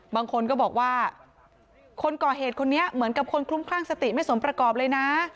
บางคนก็บอกว่าคนก่อเหตุคนนี้เหมือนกับคนคลุ้มคลั่งสติไม่สมประกอบเลยนะ